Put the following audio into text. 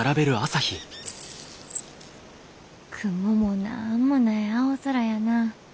雲もなんもない青空やな。